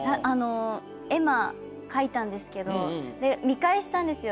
絵馬書いたんですけどで見返したんですよ